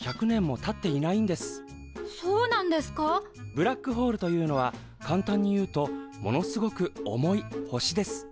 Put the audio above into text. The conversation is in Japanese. ブラックホールというのは簡単に言うとものすごく重い星です。